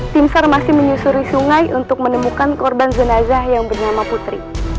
tim sar masih menyusuri sungai untuk menemukan korban zanazah yang bernama putri